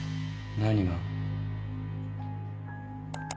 何が？